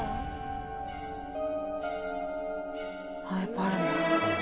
やっぱあるんだ。